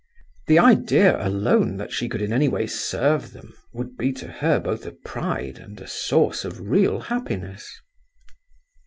The idea alone that she could in any way serve them, would be to her both a pride and a source of real happiness.